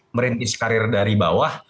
merintis karir dari bawah